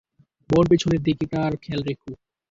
বোন, পিছনের দিকটার খেয়াল রেখো।